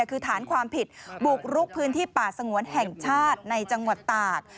คือฐานความผิดบุกรุกพื้นที่ป่าสงวนแห่งชาติในจังหวัดตาก